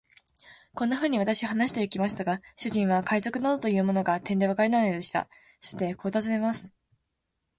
こんなふうに私は話してゆきましたが、主人は海賊などというものが、てんでわからないのでした。そしてこう尋ねます。